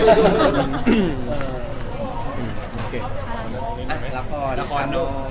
ละครดู